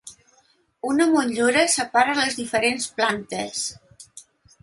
Una motllura separa les diferents plantes.